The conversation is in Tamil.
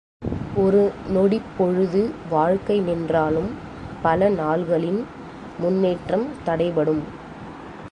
ஒரு நொடிப் பொழுது வாழ்க்கை நின்றாலும் பல நாள்களின் முன்னேற்றம் தடைப்படும்.